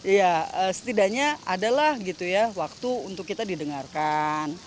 ya setidaknya adalah gitu ya waktu untuk kita didengarkan